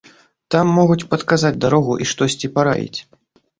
Там могуць падказаць дарогу і штосьці параіць.